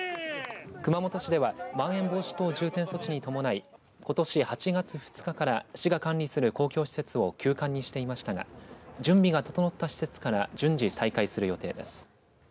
熊本市ではまん延防止等重点措置に伴いことし８月２日から市が管理する公共施設を休館にしていましたが準備が整った施設から順次、再開する予定です。